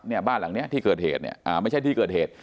เนี่ยบ้านหลังเนี้ยที่เกิดเหตุเนี่ยอ่าไม่ใช่ที่เกิดเหตุ